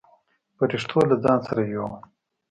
پرښتو له ځان سره يووړ.